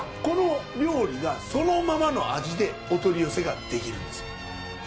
この料理がそのままの味でお取り寄せができるんです。